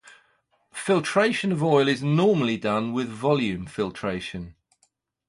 Filtration of oil is normally done with volume filtration.